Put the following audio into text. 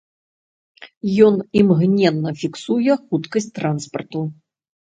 Ён імгненна фіксуе хуткасць транспарту.